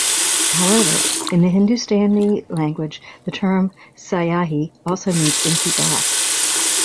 However, in the Hindustani language, the term "syahi" also means "inky black".